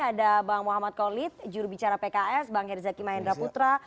ada bang muhammad kolit jurubicara pks bang herzaki mahendra putra